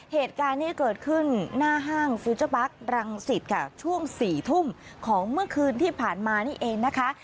เหตุการณ์นี้เกิดขึ้นหน้าห้างฟิวเจอร์บัครังสิตค่ะช่วง๔ทุ่มของเมื่อคืนที่ผ่านมานี่เองนะคะ